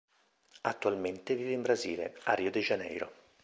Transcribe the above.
Attualmente vive in Brasile, a Rio de Janeiro.